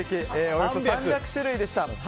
およそ３００種類でした。